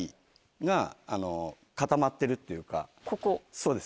そうです。